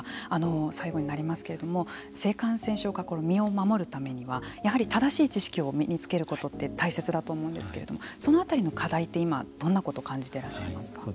最後になりますけれども性感染症から身を守るためにはやはり正しい知識を身に着けることって大切だと思うんですけれどもそのあたりの課題って今、どんなことを感じていらっしゃいますか。